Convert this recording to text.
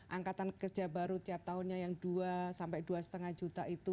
angkatan kerja baru tiap tahunnya yang dua sampai dua lima juta itu